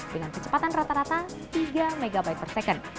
dengan kecepatan rata rata tiga mb per second